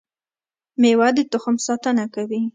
مېوه د تخم ساتنه کوي